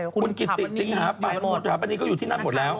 คุณกิตติสิครับไปหมดแล้วอันนี้ก็อยู่ที่นั่นหมดแล้ว